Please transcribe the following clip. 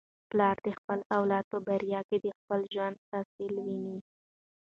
پلار د خپل اولاد په بریا کي د خپل ژوند حاصل ویني.